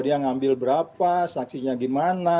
dia ngambil berapa saksinya gimana